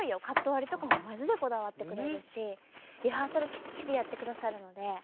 カット割りとかもまじでこだわってくれるしリハーサルきっちりやって下さるので。